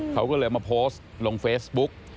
เขาก็เลยมาโพสต์ลงเฟสบุ๊ค